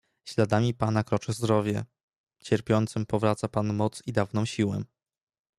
"Śladami pana kroczy zdrowie, cierpiącym powraca pan moc i dawną siłę."